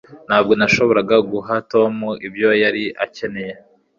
Ntabwo nashoboraga guha Tom ibyo yari akeneye